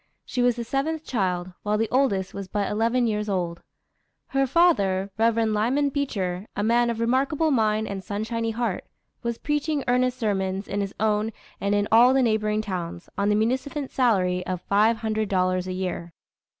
She was the seventh child, while the oldest was but eleven years old. Her father, Rev. Lyman Beecher, a man of remarkable mind and sunshiny heart, was preaching earnest sermons in his own and in all the neighboring towns, on the munificent salary of five hundred dollars a year.